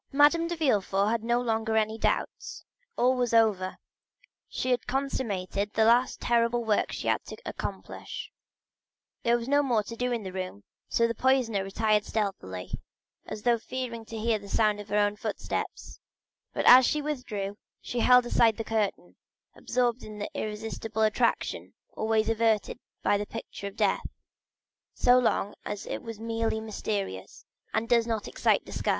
Madame de Villefort had no longer any doubt; all was over—she had consummated the last terrible work she had to accomplish. There was no more to do in the room, so the poisoner retired stealthily, as though fearing to hear the sound of her own footsteps; but as she withdrew she still held aside the curtain, absorbed in the irresistible attraction always exerted by the picture of death, so long as it is merely mysterious and does not excite disgust.